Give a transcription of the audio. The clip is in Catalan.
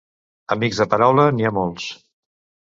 Amics de paraula n'hi ha molts.